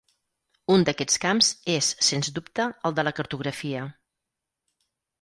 Un d’aquests camps és, sens dubte, el de la cartografia.